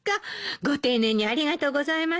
ご丁寧にありがとうございました。